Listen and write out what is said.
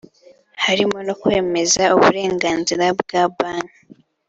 harimo no kwemeza uburenganzira bwa Banki